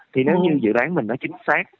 thì nếu như dự đoán mình nó chính xác